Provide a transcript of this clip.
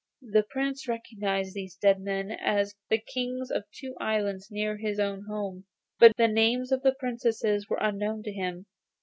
The invisible Prince recognised these dead men as Kings of two large islands near his own home, but the names of the Princesses were unknown to him.